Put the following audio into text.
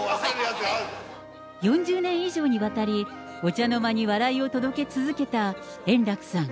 ４０年以上にわたり、お茶の間に笑いを届け続けた円楽さん。